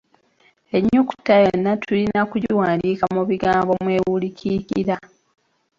Ennyukuta yonna tulina kugiwandiika mu bigambo mw’ewulikikira.